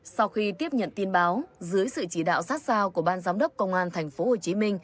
sau khi tiếp nhận tin báo dưới sự chỉ đạo sát sao của ban giám đốc công an tp hcm